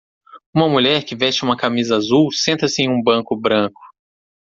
Uma mulher que veste uma camisa azul senta-se em um banco branco.